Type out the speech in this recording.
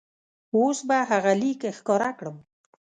اوس به هغه لیک ښکاره کړم.